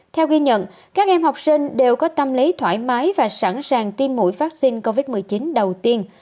theo ghi nhận các em học sinh đều có tâm lý thoải mái và sẵn sàng tiêm mũi vaccine covid một mươi chín đầu tiên